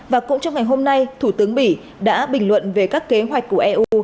và cũng trong ngày hôm nay thủ tướng bỉ đã bình luận về các kế hoạch của eu